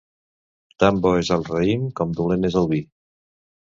Tan bo és el raïm com dolent és el vi.